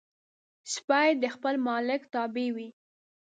سپي د خپل مالک تابع وي.